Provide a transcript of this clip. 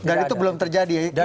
dan itu belum terjadi ya